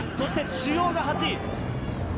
そして中央が８位。